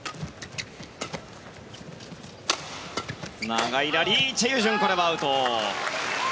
長いラリーチェ・ユジュン、これはアウト。